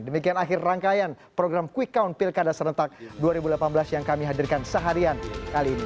demikian akhir rangkaian program quick count pilkada serentak dua ribu delapan belas yang kami hadirkan seharian kali ini